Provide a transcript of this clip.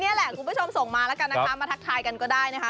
นี่แหละคุณผู้ชมส่งมาแล้วกันนะคะมาทักทายกันก็ได้นะคะ